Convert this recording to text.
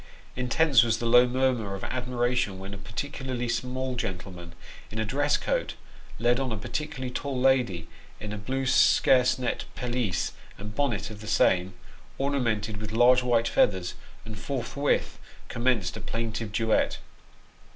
Intense was the low murmur of admiration when a particularly small gentleman, in a dress coat, led on a par ticularly tall lady in a blue sarcenet pelisse and bonnet of the same, ornamented with large white feathers, and forthwith commenced a plaintive duet.